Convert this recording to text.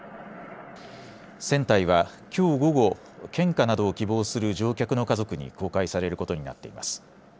船体はきょう午後、献花などを希望する乗客の家族に公開されることになっています。